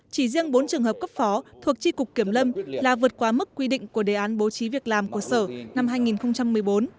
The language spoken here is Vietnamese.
chỉ riêng bốn trường hợp cấp phó thuộc tri cục kiểm lâm là vượt qua mức quy định của đề án bố trí việc làm của sở năm hai nghìn một mươi bốn